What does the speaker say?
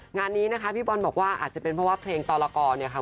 งานนี้นะคะพี่บอลบอกว่าอาจจะเป็นเพราะว่าเพลงตรกรเนี่ยค่ะ